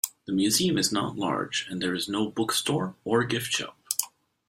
The Museum is not large and there is no bookstore or gift shop.